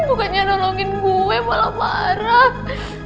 bukannya nolongin gue malah marah